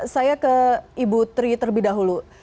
saya ke ibu tri terlebih dahulu